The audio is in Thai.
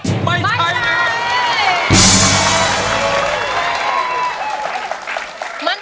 สวัสดีครับ